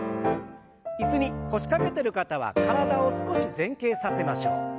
椅子に腰掛けてる方は体を少し前傾させましょう。